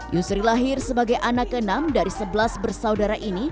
yusri lahir sebagai anak ke enam dari sebelas bersaudara ini